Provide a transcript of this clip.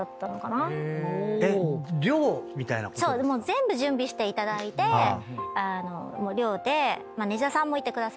全部準備していただいて寮でマネジャーさんもいてくださって。